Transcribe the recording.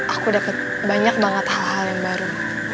aku dapat banyak banget hal hal yang baru